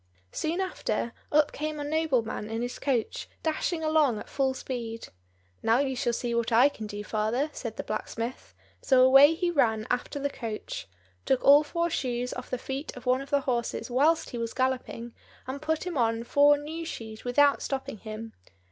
Soon after, up came a nobleman in his coach, dashing along at full speed. "Now you shall see what I can do, father," said the blacksmith; so away he ran after the coach, took all four shoes off the feet of one of the horses whilst he was galloping, and put him on four new shoes without stopping him.